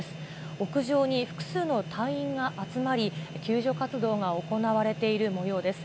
屋上に複数の隊員が集まり、救助活動が行われているもようです。